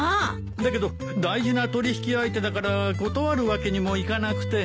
だけど大事な取引相手だから断るわけにもいかなくて。